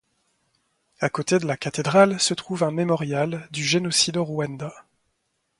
À côté de la cathédrale se trouve un mémorial du Génocide au Rwanda.